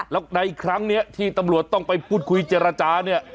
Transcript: แล้วในครั้งนี้ที่ตำรวจต้องไปพูดคุยเจรจาเนี่ย